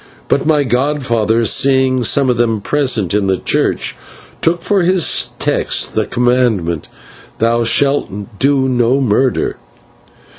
But my godfather, seeing some of them present in the church, took for his text the commandment "Thou shalt do no murder."